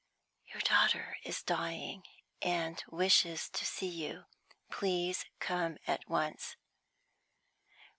"Your daughter is dying, and wishes to see you. Please come at once."